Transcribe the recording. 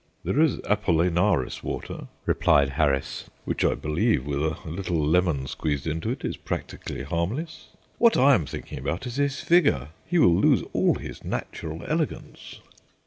"There is Apollinaris water," replied Harris, "which, I believe, with a little lemon squeezed into it, is practically harmless. What I am thinking about is his figure. He will lose all his natural elegance."